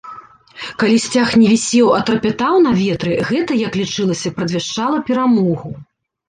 Калі сцяг не вісеў, а трапятаў на ветры, гэта, як лічылася, прадвяшчала перамогу.